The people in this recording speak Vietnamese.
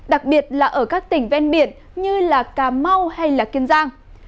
đặc biệt là ở các tỉnh ven biển như cà mau hay kiên giang